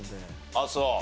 ああそう。